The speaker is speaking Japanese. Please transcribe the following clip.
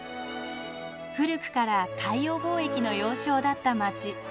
古くから海洋貿易の要衝だった街。